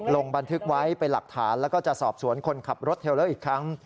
ลงบันทึกไว้เป็นหลักฐานแล้วก็จะสอบสวนคนขับรถเทลเลอร์อีกครั้ง